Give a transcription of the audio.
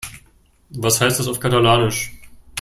Was heißt das auf Katalanisch?